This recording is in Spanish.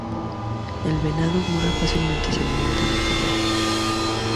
El venado bura fácilmente se alimenta del follaje.